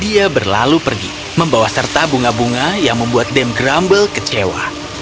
dia berlalu pergi membawa serta bunga bunga yang membuat dame grumble kecewa